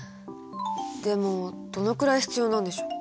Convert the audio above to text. でもどのくらい必要なんでしょう？